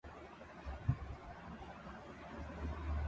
دھوکا دینے پر گرفتار خاتون فلم ساز کا پارٹنر پر تشدد کا الزام